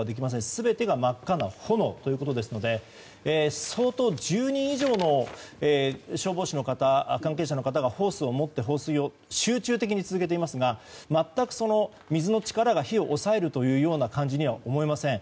全てが真っ赤な炎ということですので相当、１０人以上の消防士の方関係者の方がホースを持って放水を集中的に続けていますが全く水の力が火を抑えるというような感じには思えません。